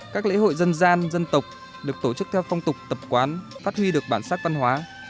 các lễ hội dân gian dân tộc được tổ chức theo phong tục tập quán phát huy được bản sắc văn hóa